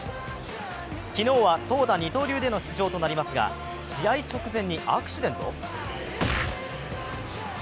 昨日は投打二刀流での出場となりますが試合直前にアクシデント？